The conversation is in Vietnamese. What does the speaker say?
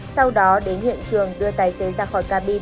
sau đó đến hiện trường đưa tài xế ra khỏi cabin